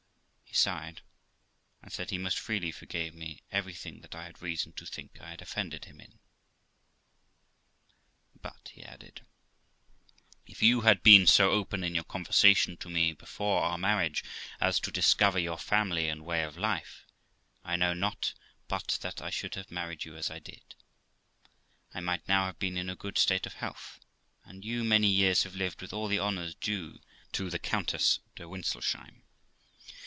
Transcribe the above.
He sighed, and said he most freely forgave me everything that I had reason to think I had offended him in ; but he added ' If you had been so open in your conversation to me before our marriage as to discover your family and way of life, I know not but that I should have married you as I did. I might now have been in a good state of health, and you many years have lived with all the honours due to the Countess de Wintselsheim.'